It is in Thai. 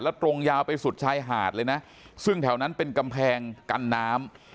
แล้วตรงยาวไปสุดชายหาดเลยนะซึ่งแถวนั้นเป็นกำแพงกันน้ำ